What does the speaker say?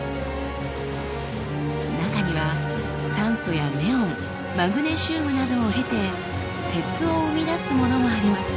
中には酸素やネオンマグネシウムなどを経て鉄を生み出すものもあります。